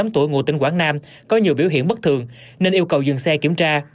một mươi tuổi ngụ tỉnh quảng nam có nhiều biểu hiện bất thường nên yêu cầu dừng xe kiểm tra